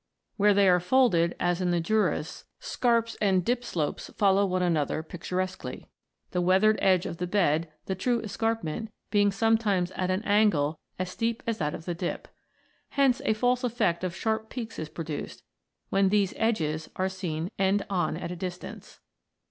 Where they are folded, as in the Juras, scarps and dip slopes follow one another picturesquely, the weathered edge of the bed, the true escarpment, being sometimes at an angle as steep as that of the dip. Hence a false effect of sharp peaks is produced, when these "edges" are seen end on at a distance.